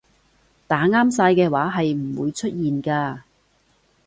打啱晒嘅話係唔會出現㗎